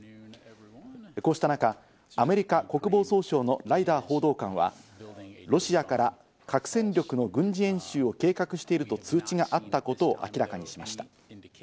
こうした中、アメリカ国防総省のライダー報道官は、ロシアから核戦力の軍事演習を計画していると通知があったことを明らかにしました。